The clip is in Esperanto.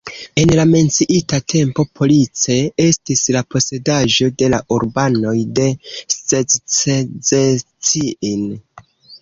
En la menciita tempo Police estis la posedaĵo de la urbanoj de Szczecin.